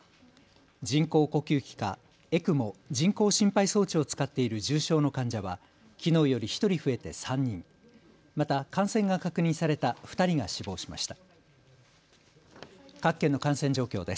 人工呼吸器かＥＣＭＯ・人工心肺装置を使っている重症の患者はきのうより１人増えて３人、また感染が確認された２人が死亡しました。